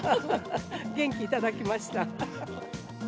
元気頂きました。